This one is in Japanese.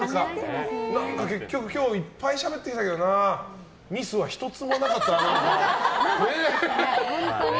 結局今日いっぱいしゃべってきたけどミスは１つもなかったな。